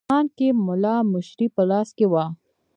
مانکي مُلا مشري په لاس کې وه.